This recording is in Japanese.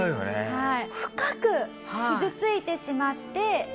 はい。